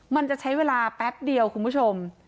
มันจะใช้เวลาแป๊บเดียวคุณผู้ชม